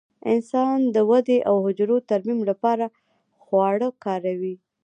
انسان د ودې او حجرو ترمیم لپاره خواړه کاروي.